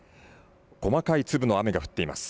細かい粒の雨が降っています。